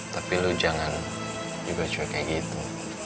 tapi lu jangan juga cuek kayak gitu